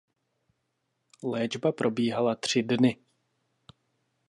Léčba probíhala tři dny.